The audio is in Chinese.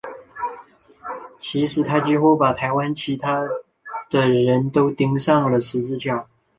其实他几乎把台湾其他的人都钉上了十字架。